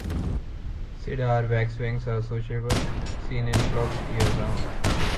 Cedar waxwings are sociable, seen in flocks year round.